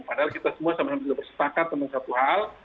padahal kita semua sama sama sudah bersepakat tentang satu hal